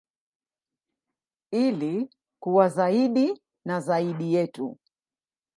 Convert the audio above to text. Ili kuwa zaidi na zaidi yetu.